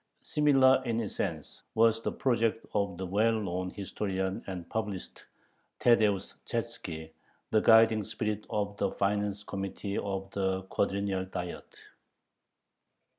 Similar in essence was the project of the well known historian and publicist Thaddeus Chatzki, the guiding spirit of the finance committee of the Quadrennial Diet.